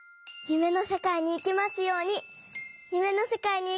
ゆめのせかいにいけますように。